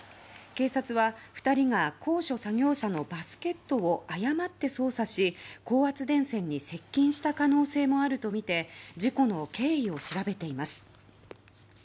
警察は、２人が高所作業車のバスケットを誤って操作し高圧電線に接近した可能性もあるとみて事故の経緯を調べています。